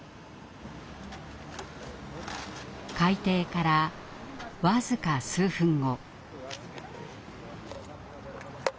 開廷から僅か数分後。